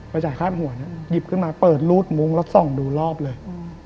จ่ายค่าหัวเนี่ยหยิบขึ้นมาเปิดรูดมุ้งแล้วส่องดูรอบเลย